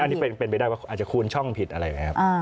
อันนี้เป็นไปได้ว่าอาจจะคูณช่องผิดอะไรไหมครับ